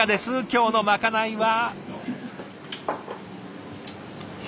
今日のまかないは。